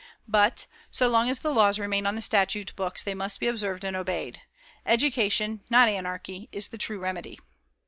BUT, SO LONG AS THE LAWS REMAIN ON THE STATUTE BOOKS, THEY MUST BE OBSERVED AND OBEYED. EDUCATION, NOT ANARCHY, IS THE TRUE REMEDY.